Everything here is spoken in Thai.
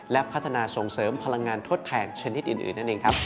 และพัฒนาส่งเสริมพลังงานทดแทนชนิดอื่นนั่นเองครับ